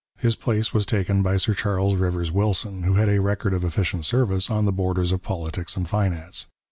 His place was taken by Sir Charles Rivers Wilson, who had a record of efficient service on the borders of politics and finance.